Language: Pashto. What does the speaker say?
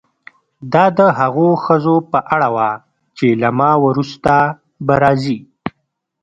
دا د هغو ښځو په اړه وه چې له ما وروسته به راځي.